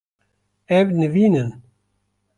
Ev nivîn in.